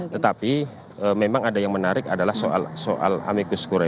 tetapi memang ada yang menarik adalah soal amegus kure